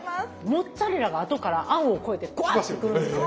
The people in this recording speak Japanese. モッツァレラがあとからあんをこえてグアッとくるんですよ。